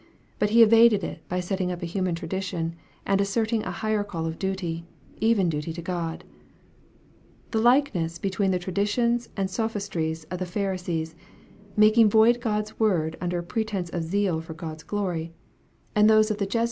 But he evaded it by setting up a human tradition, and asserting a higher call of duty, even duty to God. The likeness between the traditions and sophistries of the Phari sees, making void God's word under a pretended zeal for God's glory, 140 EXPOSITORY THOUGHTS.